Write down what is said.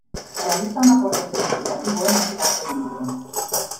Realiza un aporte significativo en el final del libro.